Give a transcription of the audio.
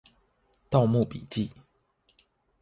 盜墓筆記